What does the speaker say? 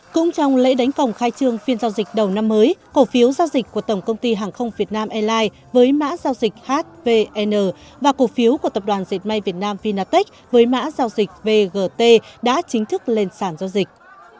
cũng trong lễ đánh phòng khai trương phiên giao dịch đầu năm mới cổ phiếu giao dịch của tổng công ty hàng không việt nam airlines với mã giao dịch hvn và cổ phiếu của tập đoàn dệt may việt nam vinatech với mã giao dịch vgt đã chính thức lên sản giao dịch